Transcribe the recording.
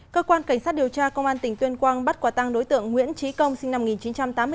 cơ quan cảnh sát điều tra công an tỉnh tuyên quang bắt quả tăng đối tượng nguyễn trí công sinh năm một nghìn chín trăm tám mươi bốn